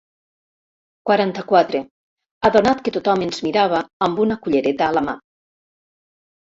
Quaranta-quatre adonat que tothom ens mirava amb una cullereta a la mà.